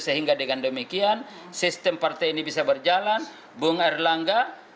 sehingga dengan demikian sistem partai ini bisa berjalan bung erlangga